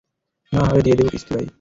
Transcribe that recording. নাহ, আরে দিয়ে দিবো কিস্তি, ভাই।